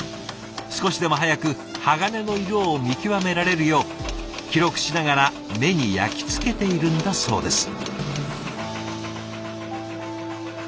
少しでも早く鋼の色を見極められるよう記録しながら目に焼き付けているんだそうです。